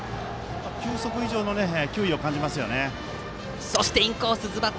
球速以上の球威を感じます。